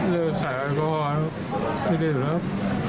เลยตลอดชีวิต